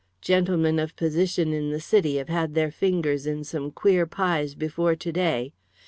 Gentlemen of position in the City have had their fingers in some queer pies before to day.